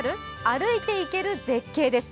歩いていける絶景」です。